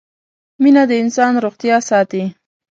مينه د انسان روغتيا ساتي